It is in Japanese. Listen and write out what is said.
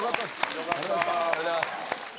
よかったありがとうございます